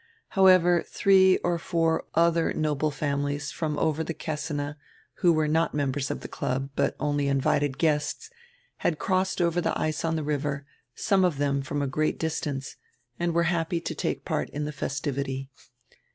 However, three or four other noble families from over die Kessine, who were not members of die club, but only invited guests, had crossed over die ice on die river, some of them from a great distance, and were happy to take part in die festivity.